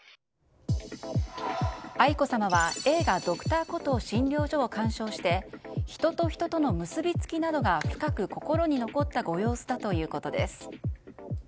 愛子さまは映画「Ｄｒ．コトー診療所」を鑑賞して人と人との結びつきなどが深く心に残ったご様子だということです。